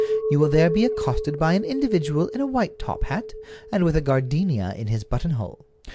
You will there be accosted by an individual in a white top hat, and with a gardenia in his buttonhole.